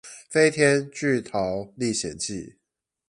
飛天巨桃歷險記